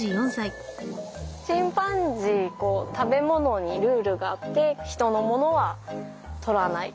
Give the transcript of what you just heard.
チンパンジー食べ物にルールがあって人のものはとらない。